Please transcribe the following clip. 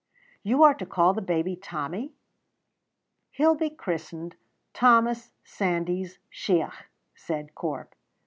"You are to call the baby Tommy?" "He'll be christened Thomas Sandys Shiach," said Corp.